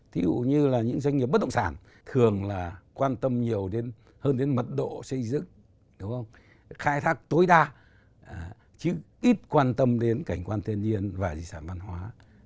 thí dụ như là những doanh nghiệp bất động sản thường là quan tâm nhiều hơn đến mật độ xây dựng khai thác tối đa chứ ít quan tâm đến cảnh quan thiên nhiên và di sản văn hóa